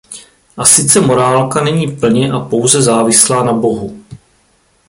A sice morálka není plně a pouze závislá na bohu.